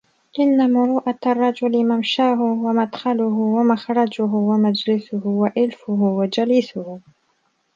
إنَّ مُرُوءَةَ الرَّجُلِ مَمْشَاهُ وَمَدْخَلُهُ وَمَخْرَجُهُ وَمَجْلِسُهُ وَإِلْفُهُ وَجَلِيسُهُ